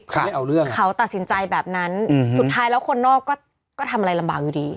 เขาไม่เอาเรื่องเขาตัดสินใจแบบนั้นสุดท้ายแล้วคนนอกก็ทำอะไรลำบากอยู่ดี